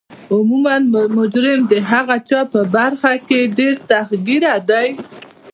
عموما مجرم د هغه چا په برخه کې ډیر سخت ګیره دی